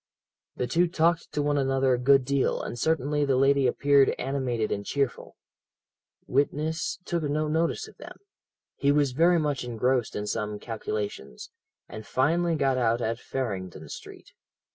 "The two talked to one another a good deal, and certainly the lady appeared animated and cheerful. Witness took no notice of them; he was very much engrossed in some calculations, and finally got out at Farringdon Street.